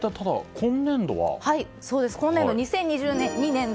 今年度、２０２２年度